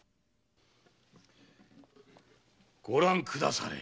ご覧ください。